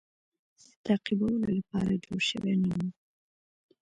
د تعقیبولو لپاره جوړ شوی نه وو.